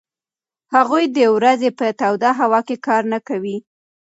هغوی د ورځې په توده هوا کې کار نه کوي.